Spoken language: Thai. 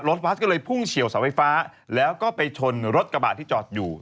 บัสก็เลยพุ่งเฉียวเสาไฟฟ้าแล้วก็ไปชนรถกระบาดที่จอดอยู่